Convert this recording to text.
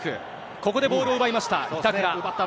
ここでボールを奪いました。